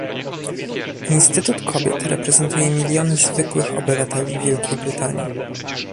Instytut Kobiet reprezentuje miliony zwykłych obywateli Wielkiej Brytanii